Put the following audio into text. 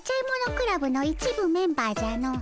クラブの一部メンバーじゃの。